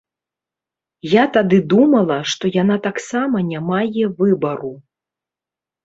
Я тады думала, што яна таксама не мае выбару.